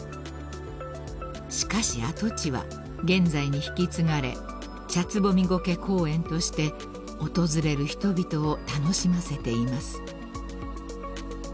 ［しかし跡地は現在に引き継がれチャツボミゴケ公園として訪れる人々を楽しませています］